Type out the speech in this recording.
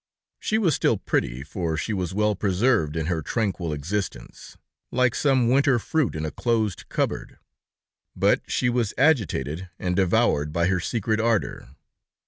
She was still pretty, for she was well preserved in her tranquil existence, like some winter fruit in a closed cupboard; but she was agitated and devoured by her secret ardor.